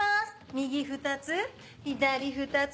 右２つ左２つ。